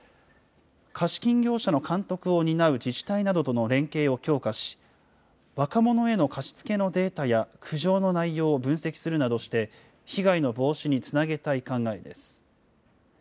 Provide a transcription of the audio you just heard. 貸金業者の監督を担う自治体などとの連携を強化し、若者への貸し付けのデータや苦情の内容を分析するなどして、被害の防止につなげたい考えです。